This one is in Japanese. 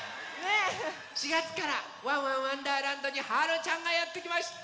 ４がつから「ワンワンわんだーらんど」にはるちゃんがやってきました！